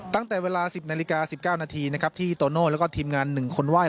ตั้งแต่เวลา๑๐นาฬิกา๑๙นาทีนะครับที่โตโน่แล้วก็ทีมงาน๑คนไห้